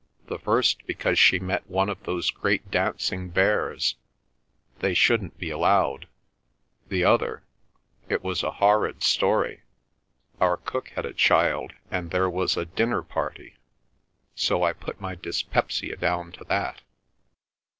"The first because she met one of those great dancing bears—they shouldn't be allowed; the other—it was a horrid story—our cook had a child and there was a dinner party. So I put my dyspepsia down to that."